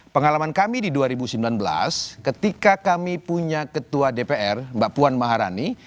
pengalaman kami di dua ribu sembilan belas ketika kami punya ketua dpr mbak puan maharani